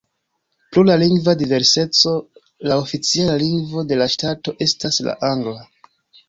Pro la lingva diverseco la oficiala lingvo de la ŝtato estas la angla.